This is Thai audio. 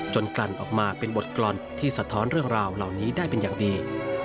กลั่นออกมาเป็นบทกรรมที่สะท้อนเรื่องราวเหล่านี้ได้เป็นอย่างดี